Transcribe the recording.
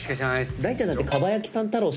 大ちゃんだって。